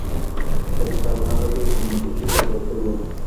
ښه کتاب هغه دی چي منطقي تسلسل ولري.